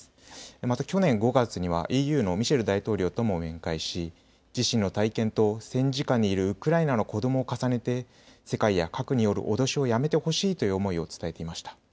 また去年５月にはＥＵのミシェル大統領とも面会し、自身の体験と戦時下にいるウクライナの子どもを重ねて、世界や核による脅しをやめてほしいという思いを伝えていました。